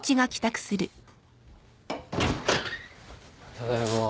・ただいま。